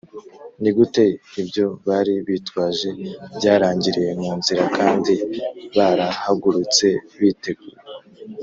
ni gute ibyo bari bitwaje byarangiriye mu nzira kandi barahagurutse biteguye